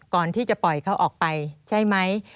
ก่อนที่จะปล่อยเขาออกไปใช่ไหม